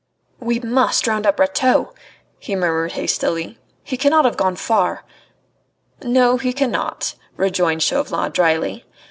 "We must round up Rateau," he murmured hastily. "He cannot have gone far." "No, he cannot," rejoined Chauvelin dryly.